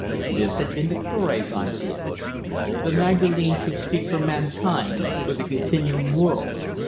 This had been the Cure's idea. The Magdalene should speak for mankind, for the continuing world.